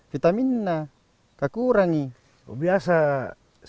kalau mereka impertinenya unghas carte